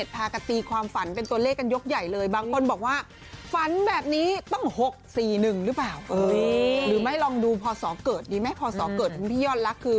พี่สายันรักคือพศ๒๔๙๙อ่ะ